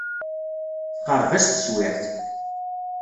Texreb-as teswiɛt.